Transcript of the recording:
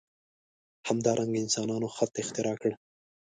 همدارنګه انسانانو خط اختراع کړ.